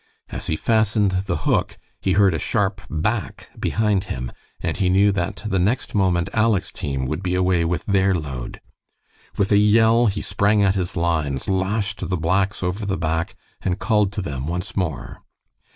As he fastened the hook he heard a sharp "Back!" behind him, and he knew that the next moment Aleck's team would be away with their load. With a yell he sprang at his lines, lashed the blacks over the back, and called to them once more.